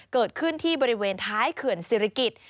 เกิดขึ้นที่บริเวณท้ายเขื่อนศิริกิจ